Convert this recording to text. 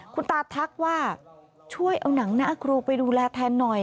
คุณตาทักว่าช่วยเอาหนังหน้าครูไปดูแลแทนหน่อย